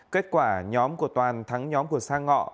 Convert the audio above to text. kết quả nhóm của toàn thắng nhóm của sang ngọ